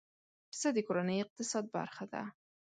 پسه د کورنۍ اقتصاد برخه ده.